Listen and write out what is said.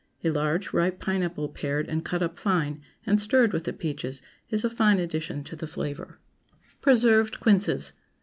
A large, ripe pineapple, pared and cut up fine, and stirred with the peaches, is a fine addition to the flavor. PRESERVED QUINCES.